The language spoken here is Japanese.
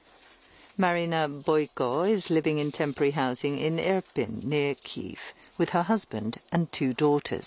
マリーナ・ボイコさんです。